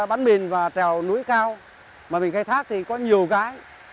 bắn mìn và trèo núi cao mà mình khai thác thì có nhiều cái